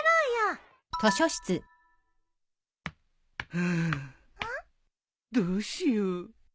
・ハァどうしよう。